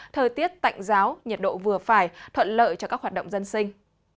thời tiết tạnh giáo nhiệt độ vừa phải thuận lợi cho các hoạt động dân sinh